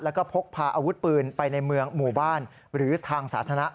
แล้วก็พกพาอาวุธปืนไปในเมืองหมู่บ้านหรือทางสาธารณะ